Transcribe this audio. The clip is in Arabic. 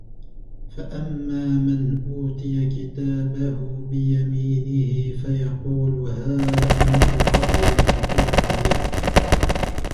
فأما من أوتي كتابه بيمينه فيقول هاؤم اقرءوا كتابيه